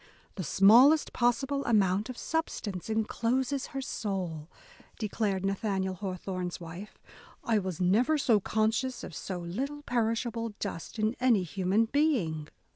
"The smallest possible amount of substance encloses her soul," declared Nathaniel Hawthorne's wife, I was never conscious of so little perishable dust in any human being."